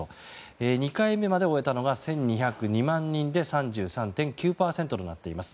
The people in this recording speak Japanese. ２回目まで終えたのが１２０２万人で３３．９％となっています。